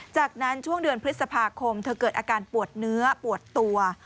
จากนั้นช่วงเดือนพฤษภาคมเธอเกิดอาการปวดเนื้อปวดตัว